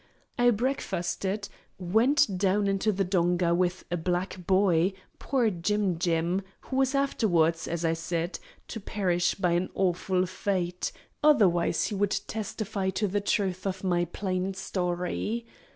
I breakfasted, went down into the donga with a black boy, poor Jim jim, who was afterwards, as I said, to perish by an awful fate, otherwise he would testify to the truth of my plain story.